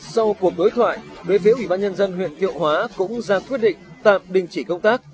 sau cuộc đối thoại về phía ủy ban nhân dân huyện thiệu hóa cũng ra quyết định tạm đình chỉ công tác